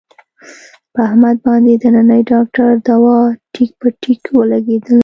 په احمد باندې د ننني ډاکټر دوا ټیک په ټیک ولږېدله.